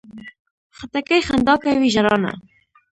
خټکی خندا کوي، ژړا نه.